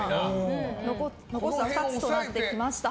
残すは２つとなってきました。